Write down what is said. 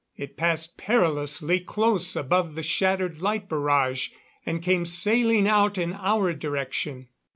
It passed perilously close above the shattered light barrage and came sailing out in our direction.